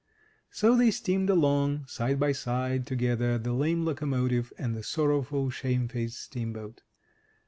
So they steamed along, side by side, together, the lame loco 122 THE TREASURE CHEST motive and the sorrowful, shamefaced steamboat.